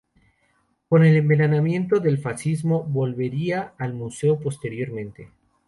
Con el advenimiento del fascismo, volvería al Museo posteriormente.